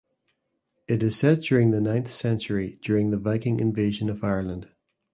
It is set during the ninth century during the Viking Invasion of Ireland.